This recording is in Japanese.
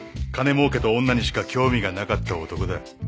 金もうけと女にしか興味がなかった男だ。